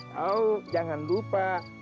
kau jangan lupa